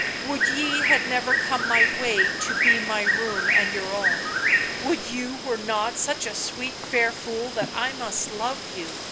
" Would ye had never come my way to be my ruin and your own — would you were not such a sweet fair fool that I must love you!